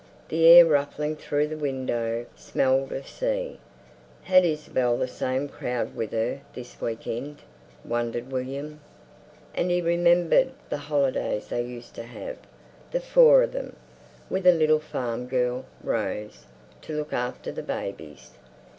The air ruffling through the window smelled of the sea. Had Isabel the same crowd with her this week end, wondered William? And he remembered the holidays they used to have, the four of them, with a little farm girl, Rose, to look after the babies.